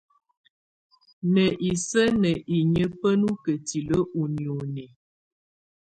Ná isǝ́ ná inyǝ́ bá nɔ kǝ́tilǝ́ i nioni.